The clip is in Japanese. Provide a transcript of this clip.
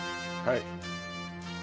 はい。